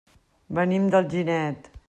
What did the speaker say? Venim d'Alginet.